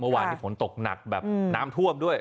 เมื่อวานนี้ฝนตกหนักแบบน้ำท่วมด้วย